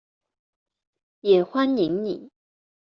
也歡迎你